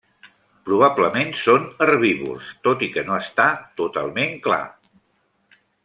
Probablement són herbívors, tot i que no està totalment clar.